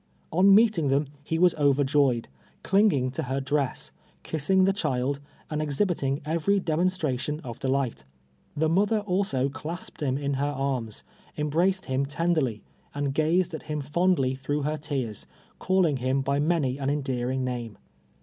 On meeting them he was overjoyed, clinging to her dress, kissing the child, and exhibit ing every demonstrati(^n of delight. The mother also clasped him in her arms, embraced him tenderly, and gazed at him fondly through her teare, calling him by many an endearing name.